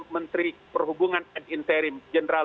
menteri perhubungan and interim general